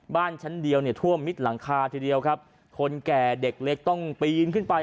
บ้านชั้นเดียวเนี่ยท่วมมิดหลังคาทีเดียวครับคนแก่เด็กเล็กต้องปีนขึ้นไป